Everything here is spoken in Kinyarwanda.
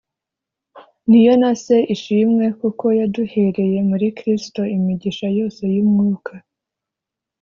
ni yo na Se, ishimwe, kuko yaduhereye muri Kristo imigisha yose y'Umwuka